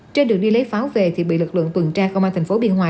trên đường đi lấy pháo về thì bị lực lượng tuần tra công an thành phố biên hòa